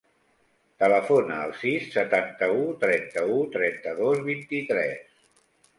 Telefona al sis, setanta-u, trenta-u, trenta-dos, vint-i-tres.